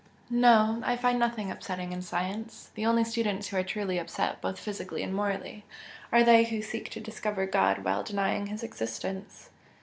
No I find nothing upsetting in science, the only students who are truly upset both physically and morally, are they who seek to discover God while denying His existence."